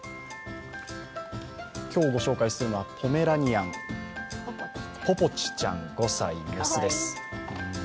今日ご紹介するのは、ポメラニアン、ぽぽちちゃん５歳、雌です。